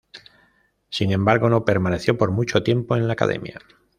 Sin embargo no permaneció por mucho tiempo en la academia.